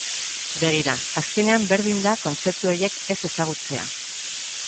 Begira, azkenean berdin da kontzeptu horiek ez ezagutzea.